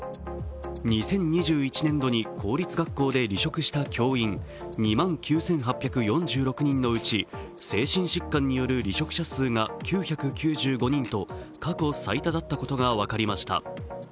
２０２１年度に公立学校で離職した教員２万９８４６人のうち精神疾患による離職者数が９９５人と過去最多だったことが分かりました。